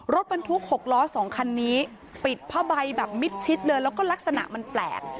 รถบรรทุก๖ล้อ๒คันนี้ปิดผ้าใบแบบมิดชิดเลยแล้วก็ลักษณะมันแปลก